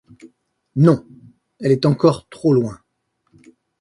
Non ! elle est encore trop loin.